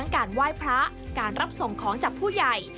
การไหว้พระการรับส่งของจากผู้ใหญ่